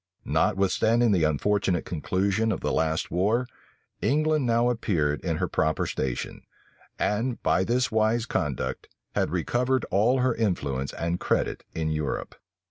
Notwithstanding the unfortunate conclusion of the last war, England now appeared in her proper station, and, by this wise conduct, had recovered all her influence and credit in Europe.